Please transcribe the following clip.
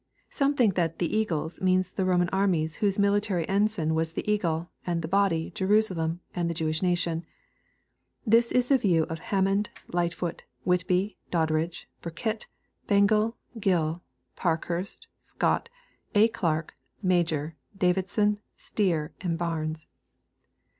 Some think that " the eagles" mean the Roman armies, whose military ensign was the eagle, and *' the body," Jerusalem and the Jewish nation. This is the view of Hammond, Lightfootj Whitby, Doddridge, Burkitt, Bengel, Gill, Parkhurst, Scott, A. Clark, Major, Davidson, Stier, and Barnes.